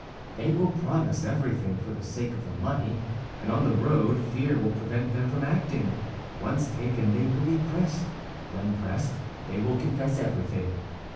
"They will promise everything for the sake of the money, and on the road fear will prevent them from acting. Once taken, they will be pressed; when pressed, they will confess everything.